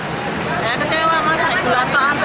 ya kecewa masaknya gula